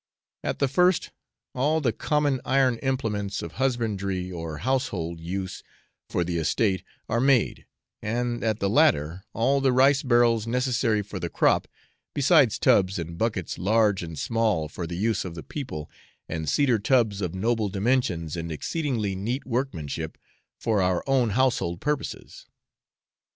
At the first all the common iron implements of husbandry or household use for the estate are made, and at the latter all the rice barrels necessary for the crop, besides tubs and buckets large and small for the use of the people, and cedar tubs of noble dimensions and exceedingly neat workmanship, for our own household purposes.